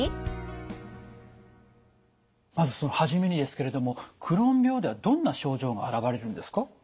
まずその初めにですけれどもクローン病ではどんな症状が現れるんですか？